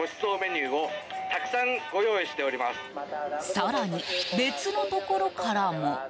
更に、別のところからも。